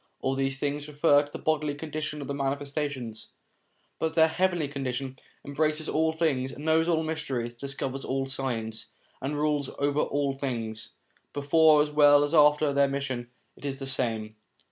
All these things refer to the bodily condition of the Manifestations ; but their heavenly condition embraces all things, knows all mysteries, discovers all signs, and rules over all things; before as well as after their mission, it is the same.